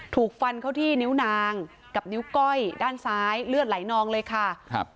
ถูกฟันเข้าที่นิ้วนางกับนิ้วก้อยด้านซ้ายเลือดไหลนองเลยค่ะครับ